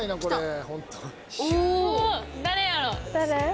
お誰やろ？